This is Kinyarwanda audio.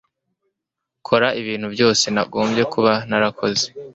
Kora ibintu byose nagombye kuba narakoze